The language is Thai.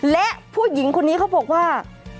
และผู้หญิงคนนี้เขาบอกว่า